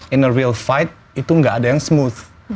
in a real fight itu nggak ada yang smooth